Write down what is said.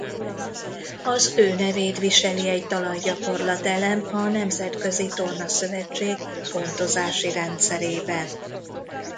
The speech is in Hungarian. Az ő nevét viseli egy talajgyakorlat-elem a Nemzetközi Torna Szövetség pontozási rendszerében.